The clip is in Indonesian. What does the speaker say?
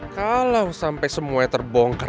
kalau sampai semuanya terbongker